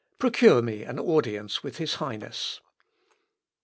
Procure me an audience of his Highness."